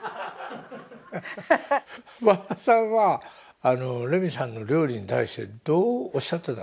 ハハッ和田さんはレミさんの料理に対してどうおっしゃってた？